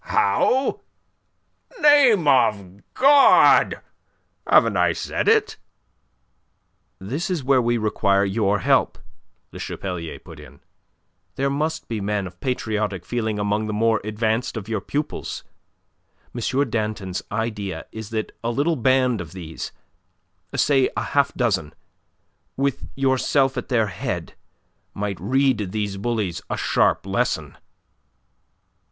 "How? Name of God! Haven't I said it?" "That is where we require your help," Le Chapelier put in. "There must be men of patriotic feeling among the more advanced of your pupils. M. Danton's idea is that a little band of these say a half dozen, with yourself at their head might read these bullies a sharp lesson."